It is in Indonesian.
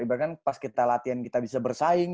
bahkan pas kita latihan kita bisa bersaing